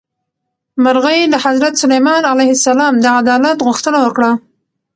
مرغۍ له حضرت سلیمان علیه السلام د عدالت غوښتنه وکړه.